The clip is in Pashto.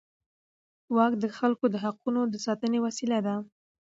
واک د خلکو د حقونو د ساتنې وسیله ده.